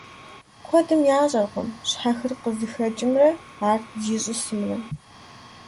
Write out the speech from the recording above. Куэдым ящӀэркъым щхьэхыр къызыхэкӀымрэ ар зищӀысымрэ.